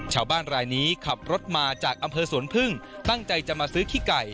ชาวบ้านรายนี้ขับรถมาจากอำเภอสวนพึ่งตั้งใจจะมาซื้อขี้ไก่